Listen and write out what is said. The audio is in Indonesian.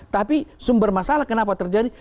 tapi sumber masalah kenapa terjadi